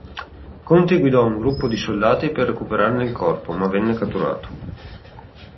Conti guidò un gruppo di soldati per recuperarne il corpo, ma venne catturato.